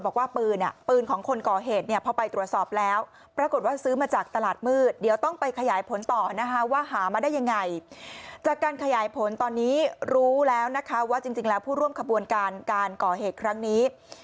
การขยายผลตอนนี้รู้แล้วนะคะว่าจริงแล้วผู้ร่วมขบวนการก่อเหตุครั้งนี้